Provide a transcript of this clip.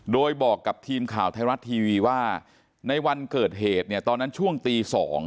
โดยบอกกับทีมข่าวไทยรัฐทีวีว่าในวันเกิดเหตุเนี่ยตอนนั้นช่วงตี๒